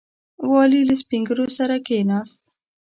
والي له سپین ږیرو سره کښېناست.